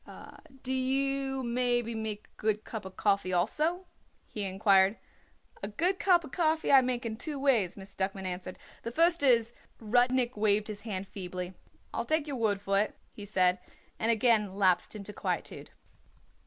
"Do you make maybe a good cup coffee also?" he inquired. "A good cup coffee I make in two ways," Miss Duckman answered. "The first is " Rudnik waved his hand feebly. "I'll take your word for it," he said, and again lapsed into quietude.